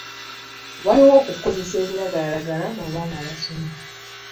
Waliwo okukozesa ebiragalalagala mu baana abasoma.